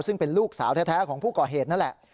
ซึ่งเป็นลูกสาวแท้ของผู้ก่อเหตุนั่นแหละ